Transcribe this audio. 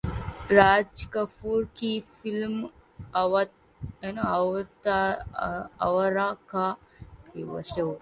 राजकपूर की फिल्म 'आवारा' का theatre version मिलकर तैयार करेंगे भारत-चीन